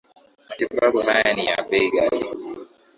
matibabu haya ni ya bei ghali